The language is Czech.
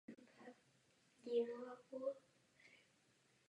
Kvůli velkým zemětřesením bohužel stále dochází k tragédiím.